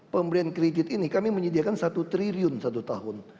pemberian kredit ini kami menyediakan satu triliun satu tahun